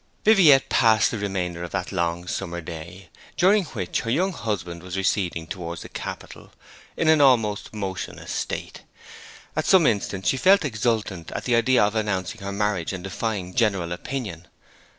Viviette passed the remainder of that long summer day, during which her young husband was receding towards the capital, in an almost motionless state. At some instants she felt exultant at the idea of announcing her marriage and defying general opinion.